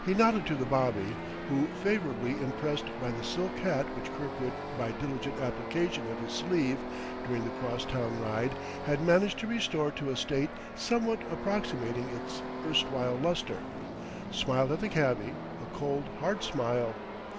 He nodded to the bobby, who, favorably impressed by the silk hat which Kirkwood, by diligent application of his sleeve during the cross town ride, had managed to restore to a state somewhat approximating its erstwhile luster, smiled at the cabby a cold, hard smile.